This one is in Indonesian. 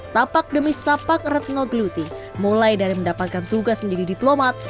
tapak demi setapak retno geluti mulai dari mendapatkan tugas menjadi diplomat